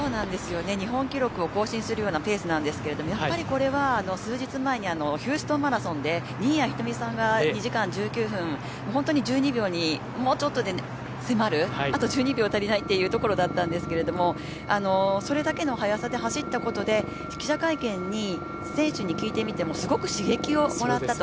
日本記録を更新するようなペースなんですけどこれは数日前にヒューストンマラソンで新谷さんがもうちょっとで迫るあと１２秒足りないというところだったんですけどそれだけの速さで走ったことで記者会見に選手に聞いてみてもすごく刺激をもらったと。